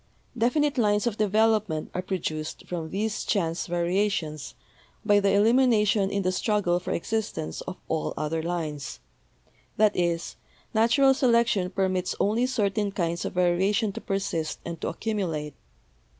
Definite lines of development are produced from these chance va riations by the elimination in the struggle for existence of all other lines; that is, natural selection permits only certain kinds of variation to persist and to accumulate.